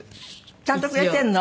ちゃんとくれてんの？